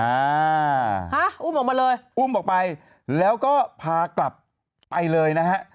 อ่าฮะอุ้มออกมาเลยอุ้มออกไปแล้วก็พากลับไปเลยนะฮะ